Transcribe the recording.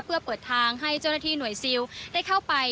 เพื่อเปิดทางให้เจ้าหน้าที่หน่วยซิลได้เข้าไป